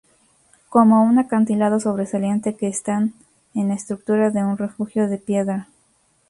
Como un acantilado sobresaliente que están en la estructura de un refugio de piedra.